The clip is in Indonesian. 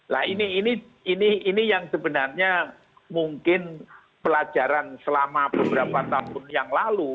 nah ini yang sebenarnya mungkin pelajaran selama beberapa tahun yang lalu